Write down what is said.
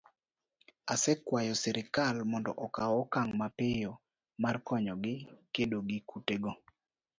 osekwayo sirkal mondo okaw okang' mapiyo mar konyogi kedo gi kutego